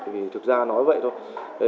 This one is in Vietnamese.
vì thực ra nói vậy thôi